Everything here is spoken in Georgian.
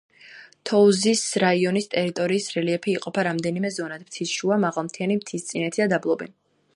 თოუზის რაიონის ტერიტორიის რელიეფი იყოფა რამდენიმე ზონად: მთის შუა, მაღალმთიანი, მთისწინეთი და დაბლობი.